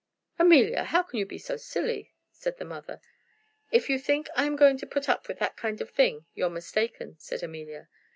"Amelia, how can you be so silly?" said the mother. "If you think I'm going to put up with that kind of thing, you're mistaken," said Amelia.